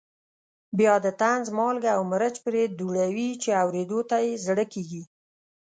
بیا د طنز مالګه او مرچ پرې دوړوي چې اورېدو ته یې زړه کېږي.